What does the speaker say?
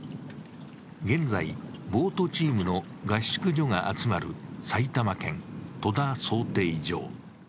現在、ボートチームの合宿所が集まる埼玉県・戸田漕艇場。